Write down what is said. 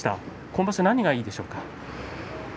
今場所は何がいいでしょうか。